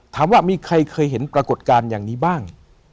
ถามว่ามีใครเคยเห็นปรากฏการณ์อย่างนี้บ้าง